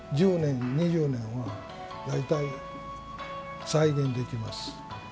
１０年２０年は大体再現できます。